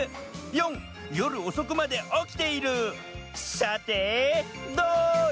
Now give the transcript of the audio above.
さてどれだ？